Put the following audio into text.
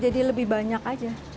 jadi lebih banyak saja